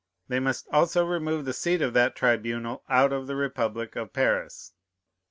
They must also remove the seat of that tribunal out of the republic of Paris.